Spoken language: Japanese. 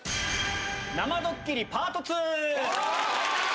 生ドッキリパート２。